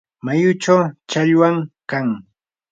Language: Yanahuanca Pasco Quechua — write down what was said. mayuchaw challwam kan.